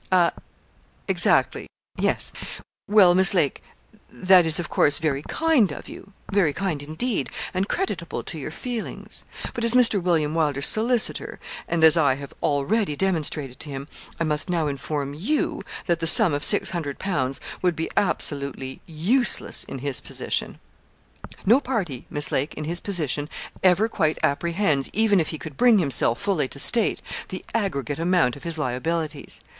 'A exactly yes well, Miss Lake, that is, of course, very kind of you very kind, indeed, and creditable to your feelings; but, as Mr. William Wylder's solicitor, and as I have already demonstrated to him, I must now inform you, that the sum of six hundred pounds would be absolutely useless in his position. No party, Miss Lake, in his position, ever quite apprehends, even if he could bring himself fully to state, the aggregate amount of his liabilities.